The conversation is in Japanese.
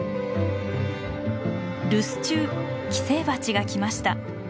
留守中寄生バチが来ました。